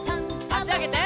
あしあげて。